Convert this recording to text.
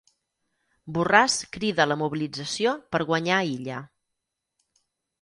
Borràs crida a la mobilització per guanyar Illa.